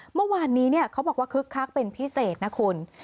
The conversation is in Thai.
เมื่อวานนี้เขาบอกว่าคึกคักเป็นพิเศษนะคุณ